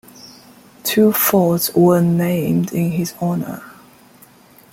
Two forts were named in his honor.